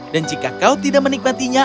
dan jika kau tidak menikmatinya